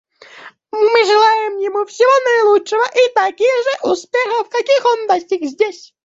Мы желаем ему всего наилучшего и таких же успехов, каких он достиг здесь.